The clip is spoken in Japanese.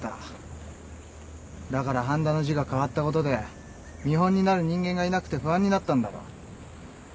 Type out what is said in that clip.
だから半田の字が変わったことで見本になる人間がいなくて不安になったんだろ。